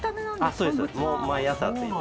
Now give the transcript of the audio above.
そうです毎朝ついて。